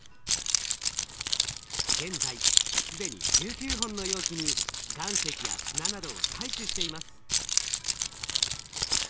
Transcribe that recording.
現在既に１９本の容器に岩石や砂などを採取しています。